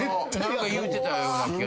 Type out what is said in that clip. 言うてたような気がした。